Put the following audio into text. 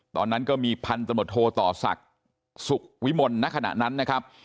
ตอนนั้นก็มีพันธมตโทต่อศักดิ์สุขวิมลณขณะนั้นนะครับ